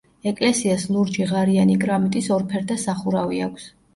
ეკლესიას ლურჯი ღარიანი კრამიტის ორფერდა სახურავი აქვს.